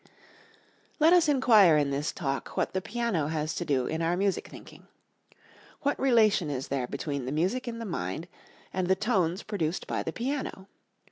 Let us inquire in this Talk what the piano has to do in our music thinking. What relation is there between the music in the mind and the tones produced by the piano?